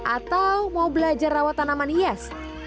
atau mau belajar rawat tanaman hias